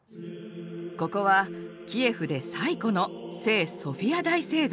ここはキエフで最古の聖ソフィア大聖堂。